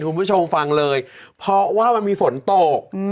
คุณผู้ชมฟังเลยเพราะว่ามันมีฝนตก